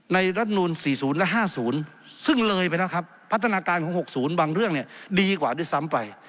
รัฐมนูล๔๐และ๕๐ซึ่งเลยไปแล้วครับพัฒนาการของ๖๐บางเรื่องเนี่ยดีกว่าด้วยซ้ำไป